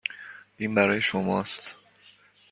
این برای شماست.